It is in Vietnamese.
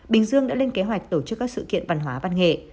bình dương đã lên kế hoạch tổ chức các sự kiện văn hóa văn nghệ